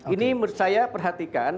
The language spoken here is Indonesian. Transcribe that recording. ini menurut saya perhatikan